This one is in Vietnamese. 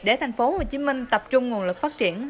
để thành phố hồ chí minh tập trung nguồn lực phát triển